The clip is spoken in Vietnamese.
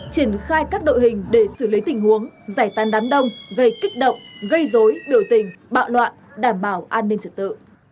triển khai các đội hình để xử lý tình huống giải tàn đám đông gây kích động gây dối biểu tình bạo loạn đảm bảo an ninh trật tự